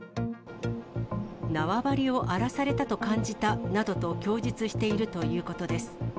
縄張りを荒らされたと感じたなどと供述しているということです。